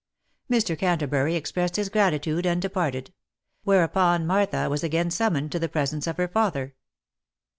Mr. Cantabury expressed his gratitude and departed ; whereupon Martha was again summoned to the presence of her father.